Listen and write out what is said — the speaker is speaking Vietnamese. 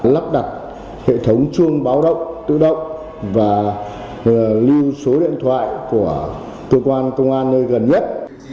lắp đặt hệ thống chuông báo động tự động và lưu số điện thoại của cơ quan công an nơi gần nhất